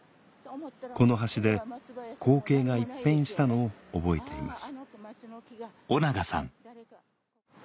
この橋で光景が一変したのを覚えています